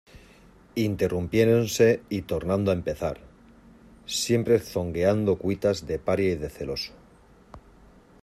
interrumpiéndose y tornando a empezar, siempre zongueando cuitas de paria y de celoso: